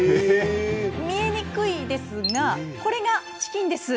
見えにくいですがこれがチキンです。